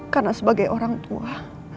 karena sebagai orang tua